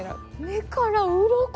目からうろこ！